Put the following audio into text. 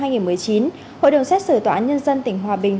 hội đồng xét xử tòa án nhân dân tỉnh hòa bình